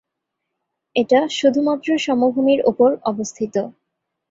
এটা শুধুমাত্র সমভূমির উপর অবস্থিত।